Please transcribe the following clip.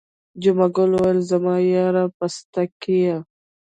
جمعه ګل وویل زما یاره پستکیه.